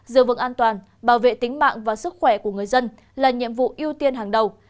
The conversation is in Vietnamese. giữ vực an toàn bảo vệ tính mạng và sức khỏe của người dân là nhiệm vụ ưu tiên hàng đầu